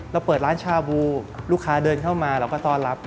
เปิดร้านชาบูลูกค้าเดินเข้ามาเราก็ต้อนรับ